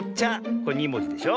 これ２もじでしょ。